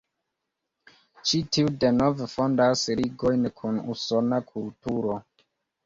Ĉi tiu denove fondas ligojn kun Usona kulturo.